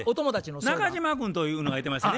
中島君というのがいてましてね。